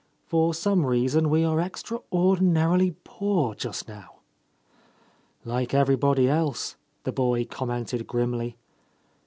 For some reason, we are extraor dinarily poor just now." "Like everybody else," the boy commented grimly.